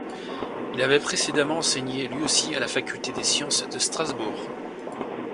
Il avait précédemment enseigné lui aussi à la faculté des sciences de Strasbourg.